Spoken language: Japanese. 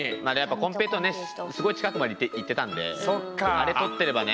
コンペイトウすごい近くまでいっていたんであれ取ってればね。